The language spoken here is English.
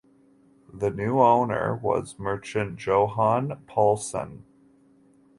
The new owner was merchant Johan Poulsen.